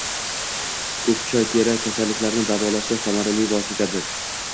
Ko‘k choy teri kasalliklarini davolashda samarali vositadir.